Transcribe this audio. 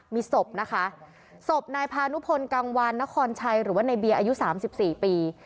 มีศพนะคะศพนายพานุพลกังวานนครชัยหรือว่าในเบียร์อายุ๓๔ปี